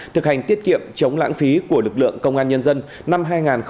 thực hành tiết kiệm chống lãng phí của lực lượng công an nhân dân năm hai nghìn hai mươi ba